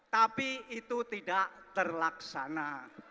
tapi itu tidak terlaksana